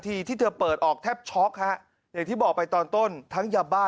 ที่เธอเปิดออกแทบช็อกฮะอย่างที่บอกไปตอนต้นทั้งยาบ้า